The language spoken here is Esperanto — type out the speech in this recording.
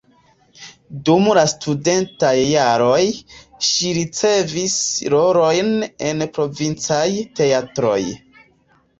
Dum la studentaj jaroj ŝi ricevis rolojn en provincaj teatroj.